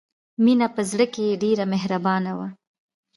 مینه په زړه کې ډېره مهربانه وه